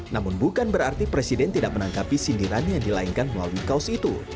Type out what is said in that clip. namun bukan berarti presiden tidak menangkapi sindiran yang dilainkan melalui kaos itu